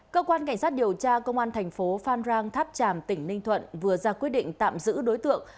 cơ quan cảnh sát điều tra công an thành phố phan rang tháp tràm tỉnh ninh thuận vừa ra quyết định tạm giữ đối tượng